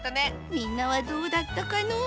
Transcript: みんなはどうだったかのう？